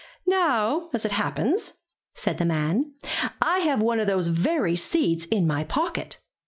''Now, as it happens," said the man, ''I have one of those very seeds in my pocket.